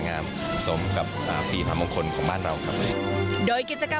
งามสมกับอ่าปีมหามงคลของบ้านเราครับโดยกิจกรรม